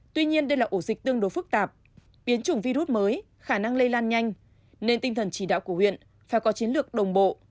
tuy nhiên đây là ổ dịch tương đối phức tạp biến chủng virus mới khả năng lây lan nhanh nên tinh thần chỉ đạo của huyện phải có chiến lược đồng bộ